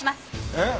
えっ？